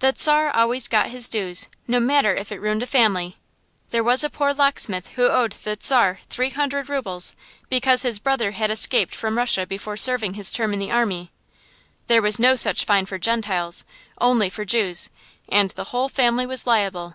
The Czar always got his dues, no matter if it ruined a family. There was a poor locksmith who owed the Czar three hundred rubles, because his brother had escaped from Russia before serving his term in the army. There was no such fine for Gentiles, only for Jews; and the whole family was liable.